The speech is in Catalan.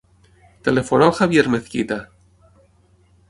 Telefona al Javier Mezquita.